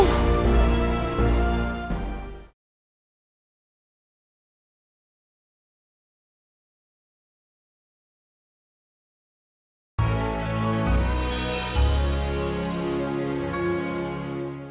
kamu buang buang waktu kamu